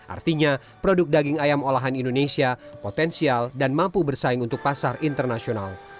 artinya produk daging ayam olahan indonesia potensial dan mampu bersaing untuk pasar internasional